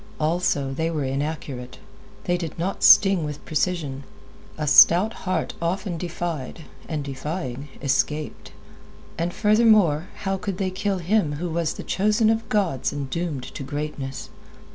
Also, they were inaccurate; they did not sting with precision. A stout heart often defied, and defying, escaped. And, furthermore, how could they kill him who was the chosen of gods and doomed to greatness?